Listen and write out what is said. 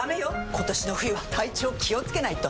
今年の冬は体調気をつけないと！